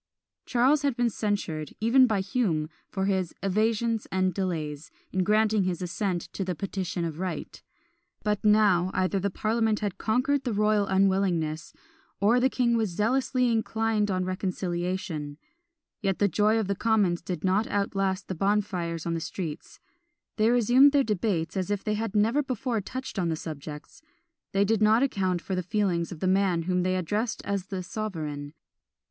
Charles has been censured, even by Hume, for his "evasions and delays" in granting his assent to the "Petition of Right;" but now, either the parliament had conquered the royal unwillingness, or the king was zealously inclined on reconciliation. Yet the joy of the commons did not outlast the bonfires in the streets; they resumed their debates as if they had never before touched on the subjects: they did not account for the feelings of the man whom they addressed as the sovereign.